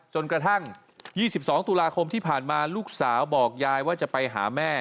จนกระทั่ง๒๒ตุลาคมที่ผ่านมาลูกสาวบอกยายว่าจะไปหาแม่